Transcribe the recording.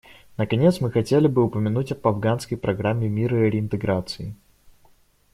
Наконец, мы хотели бы упомянуть об Афганской программе мира и реинтеграции.